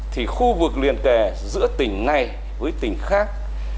thì khu vực liền kề giữa tỉnh này với tỉnh khác